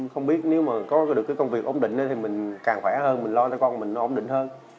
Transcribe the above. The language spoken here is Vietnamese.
không biết nếu mà có được cái công việc ổn định thì mình càng khỏe hơn mình lo cho con mình ổn định hơn